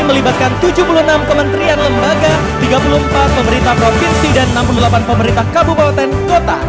melibatkan tujuh puluh enam kementerian lembaga tiga puluh empat pemerintah provinsi dan enam puluh delapan pemerintah kabupaten kota